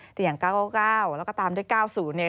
แต่อย่าง๙๙๙แล้วก็ตามด้วย๙๐เนี่ย